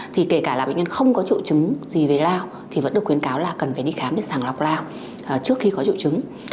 thì kể cả là bệnh nhân không có triệu chứng gì về lao thì vẫn được khuyến cáo là cần phải đi khám để sàng lọc lao trước khi có triệu chứng